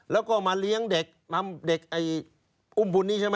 แล้วก็มาเลี้ยงเด็กอุ้มมุลนี้ใช่ไหม